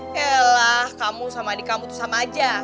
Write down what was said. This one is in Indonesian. yalah kamu sama adik kamu itu sama aja